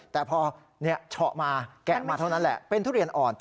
แต่พอเฉาะมาแกะมาเท่านั้นแหละเป็นทุเรียนอ่อน